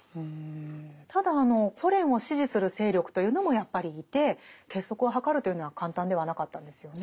ただソ連を支持する勢力というのもやっぱりいて結束を図るというのは簡単ではなかったんですよね。